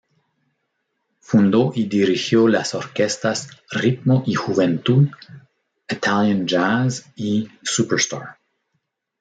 Fundó y dirigió las orquestas Ritmo y Juventud, Italian Jazz y Superstar.